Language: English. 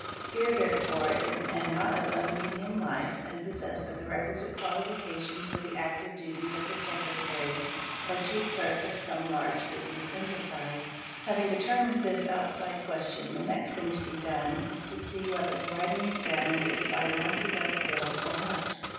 Here, therefore, is a man not above medit ' 7 HANDWRITING 935 _ life and possessed of the requisite qualifications for the active duties of the secretary or chief clerk of some large business enterprise." Having determined this outside question the next thing to be done is to see whether the writing examined is by one who writes little or much.